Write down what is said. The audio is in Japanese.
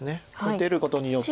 出ることによって。